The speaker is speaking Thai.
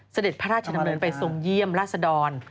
เสด็จพระราชดำเนินไปทรงเยี่ยมราชดร